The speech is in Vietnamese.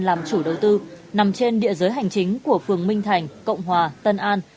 làm chủ đầu tư nằm trên địa giới hành chính của phường minh thành cộng hòa tân an